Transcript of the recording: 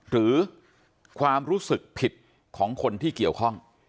หรือความรู้สึกผิดของคนที่เกี่ยวข้อง